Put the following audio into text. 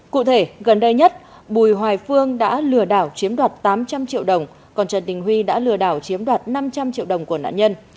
cụ thể gần đây nhất bùi hoài phương đã lừa đảo chiếm đoạt tám trăm linh triệu đồng còn trần tình huy đã lừa đảo chiếm đoạt năm trăm linh triệu đồng của nạn nhân